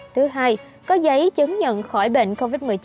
thứ hai có giấy chứng nhận khỏi bệnh covid một mươi chín